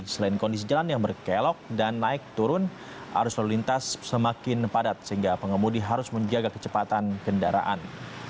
selain kondisi jalan yang berkelok dan naik turun arus lalu lintas semakin padat sehingga pengemudi harus menjaga kecepatan kendaraan